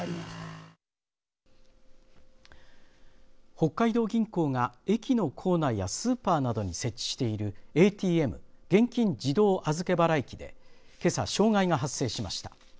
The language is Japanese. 北海道銀行が駅の構内やスーパーなどに設置しているＡＴＭ、現金自動預け払い機でけさ障害が発生しました。